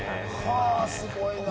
すごいな。